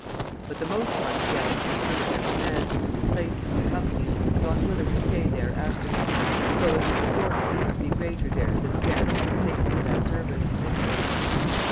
But the most part of the gallants have quitted their commands, places, and companies, not willing to stay there after him; so that the disorder seems to be greater there than stands with the safety of that service."